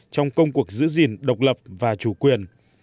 trong công cuộc giữ gìn độc lập và chủ quyền